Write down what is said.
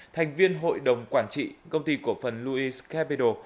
thành viên hội đồng quản trị công ty cổ phần louice capital